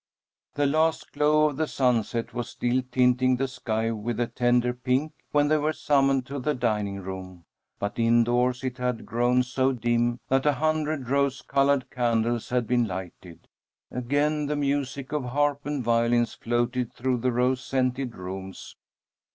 The last glow of the sunset was still tinting the sky with a tender pink when they were summoned to the dining room, but indoors it had grown so dim that a hundred rose colored candles had been lighted. Again the music of harp and violins floated through the rose scented rooms.